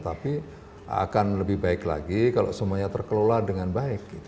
tapi akan lebih baik lagi kalau semuanya terkelola dengan baik